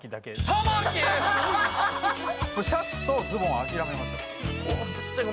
シャツとズボンは諦めましょう。